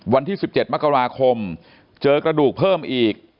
วันที่๑๗มกราคมเจอกระดูกเพิ่มอีก